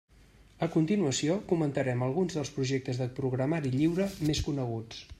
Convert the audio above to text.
A continuació comentarem alguns dels projectes de programari lliure més coneguts.